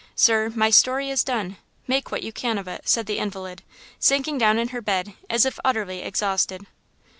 Sir, my story is done–make what you can of it," said the invalid, sinking down in her bed as if utterly exhausted.